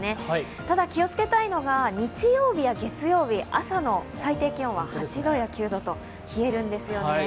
ただ、気をつけたいのが日曜日や月曜日、朝の最低気温は８度や９度と冷えるんですよね。